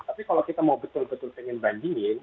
tapi kalau kita mau betul betul pengen bandingin